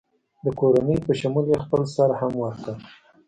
د کورنۍ په شمول یې خپل سر هم ورکړ.